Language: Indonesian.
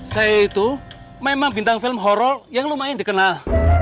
saya itu memang bintang film horror yang lumayan dikenal